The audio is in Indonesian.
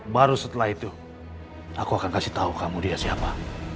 baru setelah itu aku akan kasih tahu kamu dia siapa